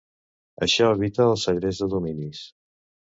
Això evita el segrest de dominis.